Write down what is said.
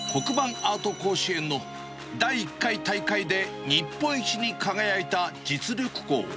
アート甲子園の第１回大会で日本一に輝いた実力校。